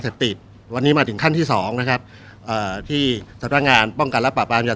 ติดวันนี้มาถึงขั้นที่สองนะครับเอ่อที่สำนักงานป้องกันและปราบปรามยา